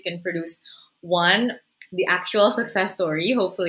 kamu bisa membuat tiga hal